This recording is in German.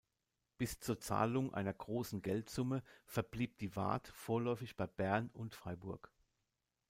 Bis zur Zahlung einer großen Geldsumme verblieb die Waadt vorläufig bei Bern und Freiburg.